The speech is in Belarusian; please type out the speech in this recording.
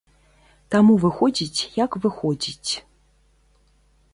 Таму выходзіць як выходзіць.